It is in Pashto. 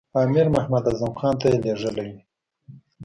امیر محمد اعظم خان ته یې لېږلی وي.